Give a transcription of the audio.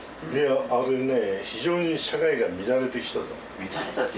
あれね非常に社会が乱れてきたと思う。